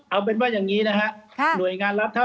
เอาเป็นว่าอย่างนี้นะครับ